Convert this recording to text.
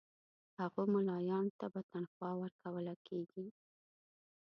هغو مُلایانو ته به تنخوا ورکوله کیږي.